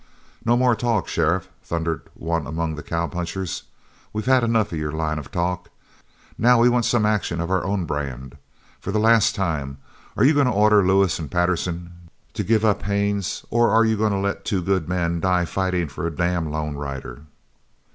"No more talk, sheriff," thundered one among the cowpunchers, "we've had enough of your line of talk. Now we want some action of our own brand. For the last time: Are you goin' to order Lewis an' Patterson to give up Haines, or are you goin' to let two good men die fightin' for a damn lone rider?"